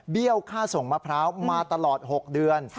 ค่าส่งมะพร้าวมาตลอด๖เดือน